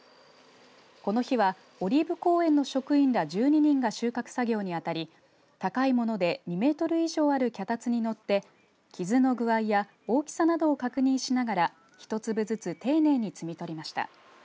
この日はオリーブ公園の職員ら１２人が収穫作業に当たり高いもので２メートル以上ある脚立に乗って傷の具合や大きさなどを確認しながら１粒ずつ丁寧に摘みとりました。